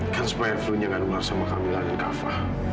kan supaya fru nggak dengar sama kamilah dan kava